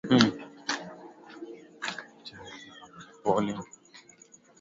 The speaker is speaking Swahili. wa taarab kwa kufanya ziara mbalimbali za muziki huo katika maeneo ya afrika mashariki